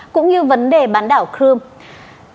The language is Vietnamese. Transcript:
cũng như vấn đề bán đảo crimea